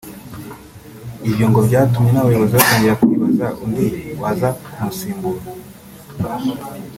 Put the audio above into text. Ibyo ngo byatumye n’abayobozi batangira kwibaza undi waza kumusimbura